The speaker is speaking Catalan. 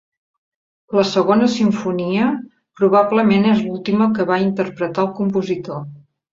La Segona Simfonia probablement és l'última que va interpretar el compositor.